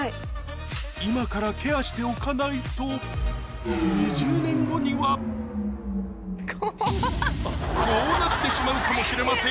今からケアしておかないとこうなってしまうかもしれませんよ